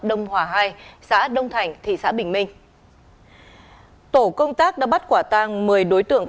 đông hòa hai xã đông thành thị xã bình minh tổ công tác đã bắt quả tang một mươi đối tượng